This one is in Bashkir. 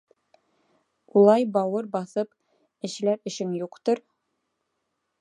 Улай бауыр баҫып эшләр эшең юҡтыр?